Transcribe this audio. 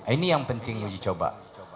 ini yang penting uji coba